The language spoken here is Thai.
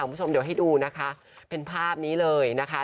คุณผู้ชมเดี๋ยวให้ดูนะคะเป็นภาพนี้เลยนะคะ